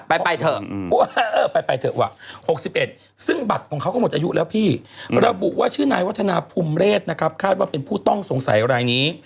ไปไปเถอะไปเถอะว่ะ๖๑ซึ่งบัตรของเขาก็หมดอายุแล้วพี่ระบุว่าชื่อนายวัฒนาภูมิเรศนะครับคาดว่าเป็นผู้ต้องสงสัยรายนี้